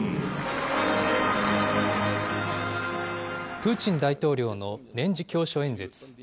プーチン大統領の年次教書演説。